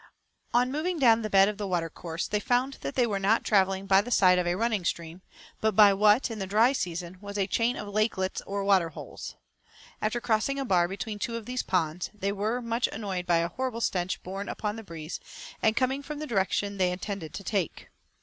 On moving down the bed of the watercourse, they found that they were not travelling by the side of a running stream, but by what, in the dry season, was a chain of lakelets or water holes. After crossing a bar between two of these ponds, they were much annoyed by a horrible stench borne upon the breeze, and coming from the direction they intended to take.